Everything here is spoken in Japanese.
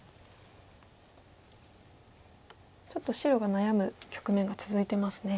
ちょっと白が悩む局面が続いてますね。